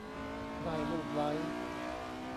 ได้ลูบไล้